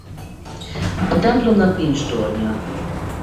A templomnak nincs tornya.